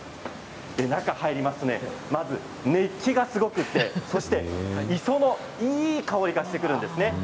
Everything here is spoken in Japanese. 中に入りますとまず熱気がすごくて磯のいい香りがしてきます。